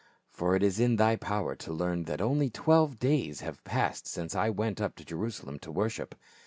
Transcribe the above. For it is in thy power to learn that only twelve days have passed since I went up to Jerusalem to worship.